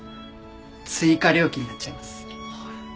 追加料金になっちゃいます。